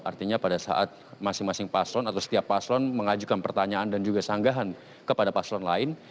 artinya pada saat masing masing paslon atau setiap paslon mengajukan pertanyaan dan juga sanggahan kepada paslon lain